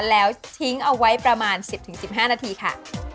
แล้วทิ้งเอาไว้ประมาณ๑๐๑๕นาทีค่ะ